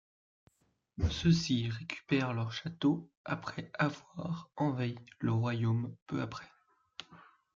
Ceux-ci récupèrent leur château après avoir envahi le royaume peu après.